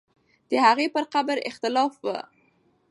د هغې پر قبر اختلاف وو.